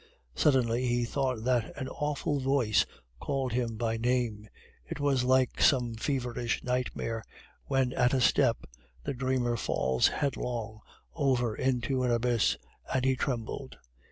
Suddenly he thought that an awful voice called him by name; it was like some feverish nightmare, when at a step the dreamer falls headlong over into an abyss, and he trembled.